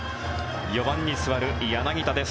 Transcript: ４番に座る柳田です。